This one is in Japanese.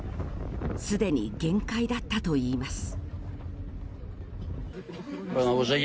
すでに限界だったといいます。